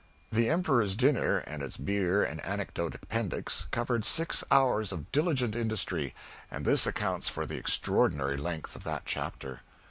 The Emperor's dinner, and its beer and anecdote appendix, covered six hours of diligent industry, and this accounts for the extraordinary length of that chapter.